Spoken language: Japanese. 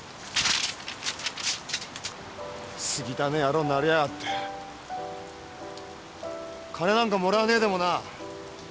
薄汚え野郎になりやがって金なんかもらわねえでもな